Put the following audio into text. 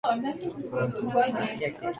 Soy Jesucristo.